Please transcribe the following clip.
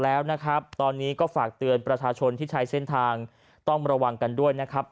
แล้วนะครับตอนนี้ก็ฝากเตือนประชาชนที่ใช้เส้นทางต้องระวังกันด้วยนะครับ